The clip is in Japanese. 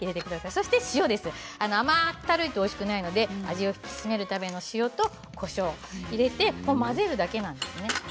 そして塩甘ったるいとおいしくないので味を引き締めるための塩とこしょうを入れて混ぜるだけなんですね。